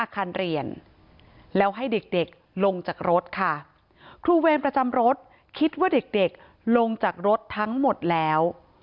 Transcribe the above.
คิดว่าเด็กลงจากรถทั้งหมดแล้ว